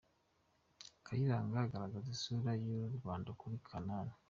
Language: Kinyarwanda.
Kayiranga aragaragaza isura y’u Rwanda kuri canari